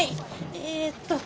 えっと